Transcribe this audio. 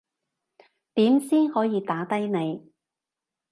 點先可以打低你